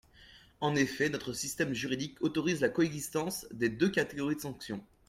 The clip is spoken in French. En effet, notre système juridique autorise la coexistence des deux catégories de sanctions.